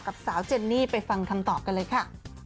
กับสาวเจนนี่ไปฟังคำตอบกันเลยค่ะ